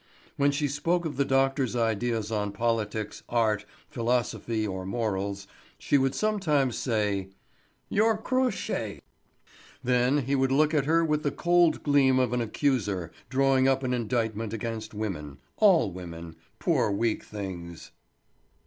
When she spoke of the doctor's ideas on politics, art, philosophy, or morals, she would sometimes say: "Your crotchets." Then he would look at her with the cold gleam of an accuser drawing up an indictment against women—all women, poor weak things.